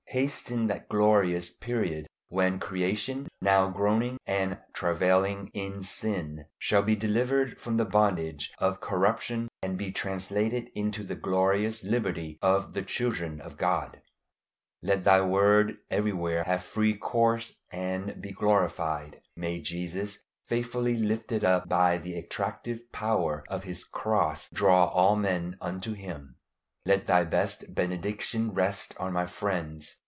Hasten that glorious period when creation, now groaning and travailing in sin, shall be delivered from the bondage of corruption and be translated into the glorious liberty of the children of God. Let Thy word everywhere have free course and be glorified. May Jesus, faithfully "lifted up" by the attractive power of his cross, draw all men unto him. Let Thy best benediction rest on my friends.